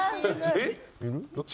えっ？